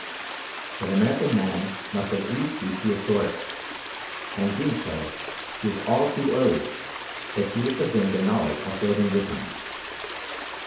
But American Man must at least be prehistoric; and being so, he is all too early, if he was to bring the knowledge of building with him.